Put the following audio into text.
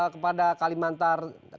kepada kalimantan timur